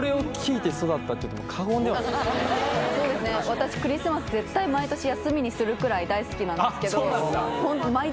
私クリスマス絶対毎年休みにするくらい大好きなんですけど。